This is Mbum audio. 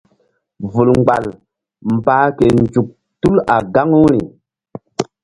Vul mgbal mbah ke nzuk tul a gaŋu ri.